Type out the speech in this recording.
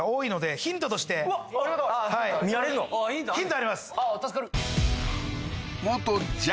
ヒントありますあ